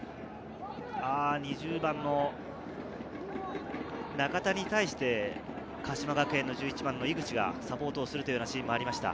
２０番の中田に対して、鹿島学園の１１番・井口がサポートするシーンがありました。